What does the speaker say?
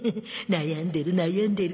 悩んでる悩んでる。